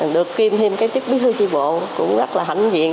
được kiêm thêm cái chức bí thư tri bộ cũng rất là hạnh viện